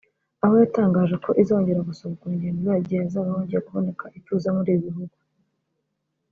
aho yatangaje ko izongera gusubukura ingendo zayo igihe hazaba hongeye kubonekera ituze muri ibi bihugu